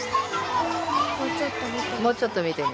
もうちょっと見てみる。